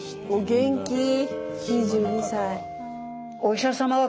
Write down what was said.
お元気。